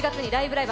ライブ！」